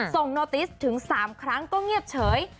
โนติสถึง๓ครั้งก็เงียบเฉย